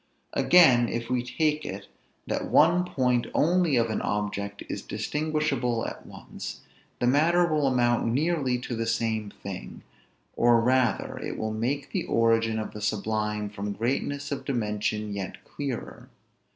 Again, if we take it, that one point only of an object is distinguishable at once; the matter will amount nearly to the same thing, or rather it will make the origin of the sublime from greatness of dimension yet clearer.